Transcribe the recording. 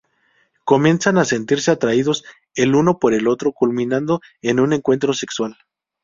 Comienzan a sentirse atraídos el uno por el otro, culminando en un encuentro sexual.